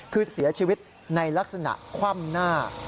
คือเสียชีวิตในลักษณะคว่ำหน้า